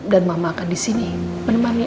dan mama akan disini menemani al